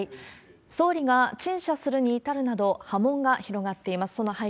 総理が陳謝するに至るなど、波紋が広がっています。